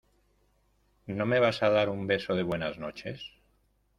¿ no me vas a dar un beso de buenas noches?